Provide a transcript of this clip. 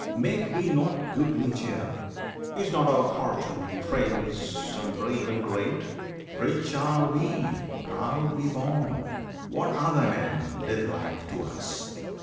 Make we not goodly cheer? Is not our fortune famous, brave, and great? Rich are we, proudly born! What other men Live like to us?